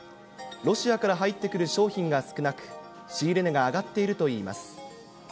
ロシアから入ってくる商品が少なく、仕入れ値が上がっているといいます。